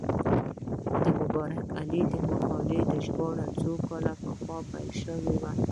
د مبارک علي د مقالو ژباړه څو کاله پخوا پیل شوه.